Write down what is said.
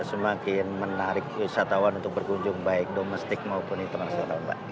semakin menarik wisatawan untuk berkunjung baik domestik maupun internasional